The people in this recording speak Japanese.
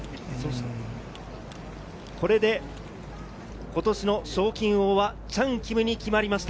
これで今年の賞金王はチャン・キムに決まりました。